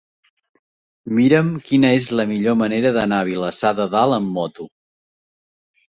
Mira'm quina és la millor manera d'anar a Vilassar de Dalt amb moto.